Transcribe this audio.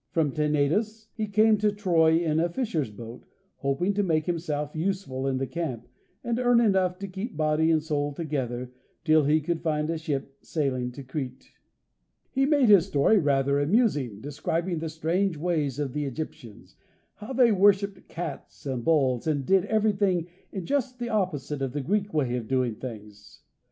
From Tenedos he had come to Troy in a fisher's boat, hoping to make himself useful in the camp, and earn enough to keep body and soul together till he could find a ship sailing to Crete. He made his story rather amusing, describing the strange ways of the Egyptians; how they worshipped cats and bulls, and did everything in just the opposite of the Greek way of doing things.